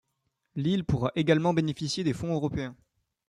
L'île pourra également bénéficier des fonds européens.